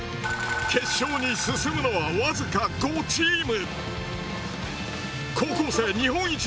決勝に進むのはわずか５チーム。